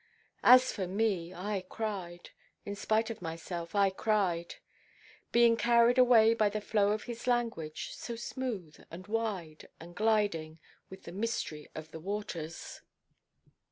As for me, I cried; in spite of myself, I cried; being carried away by the flow of his language, so smooth, and wide, and gliding, with the mystery of waters.